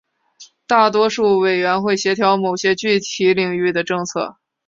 大多数委员会协调某些具体领域的政策。